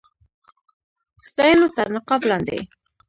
ستایلو تر نقاب لاندي.